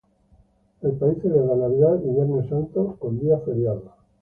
El país celebra Navidad y Viernes Santo con días feriados.